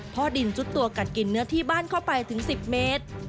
พ่อดินซุดตัวกัดกินเนื้อที่บ้านเข้าไปถึง๑๐เมตร